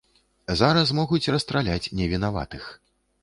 Зараз могуць расстраляць невінаватых.